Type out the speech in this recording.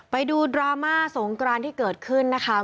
ไปดูดราม่าสงกรานที่เกิดขึ้นนะคะ